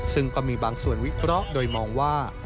ซึ่งก็มีบางส่วนวิเคราะห์โดยมองว่า